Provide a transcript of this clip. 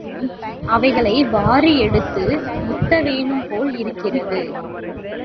அவைகளை வாரி எடுத்து முத்தவேணும் போல் இருக்கிறது.